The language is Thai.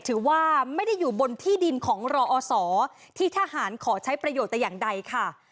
ถือว่าไม่ได้อยู่บนที่ดินของรอศที่ทหารขอใช้ประโยชน์แต่อย่างใดค่ะ